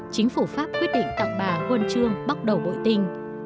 chính phủ pháp quyết định tặng bà huân chương bắt đầu bội tinh